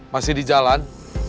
masih di jalan